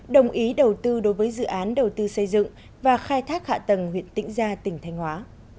đồng ý đầu tư đối với dự án đầu tư xây dựng và khai thác hạ tầng huyện tĩnh gia tỉnh thanh hóa